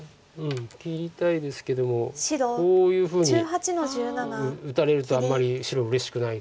切りたいですけどもこういうふうに打たれるとあんまり白うれしくないですよね。